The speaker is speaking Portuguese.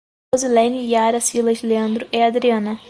Rosilene, Yara, Silas, Leandro e Adriana